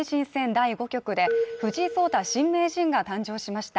第５局で藤井聡太新名人が誕生しました。